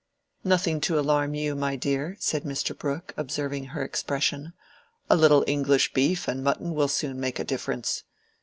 "Nothing to alarm you, my dear," said Mr. Brooke, observing her expression. "A little English beef and mutton will soon make a difference.